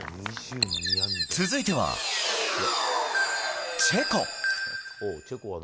続いては、チェコ。